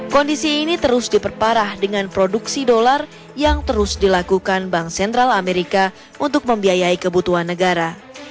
kondisi ini terus diperparah dengan produksi dolar yang terus dilakukan bank sentral amerika untuk membiayai kebutuhan negara